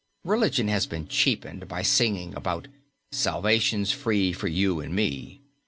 Religion has been cheapened by singing about "salvation's free for you and me."